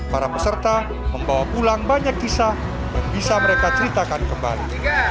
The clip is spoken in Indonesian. para peserta membawa pulang banyak kisah dan bisa mereka ceritakan kembali